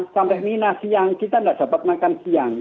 sampai mina siang kita tidak dapat makan siang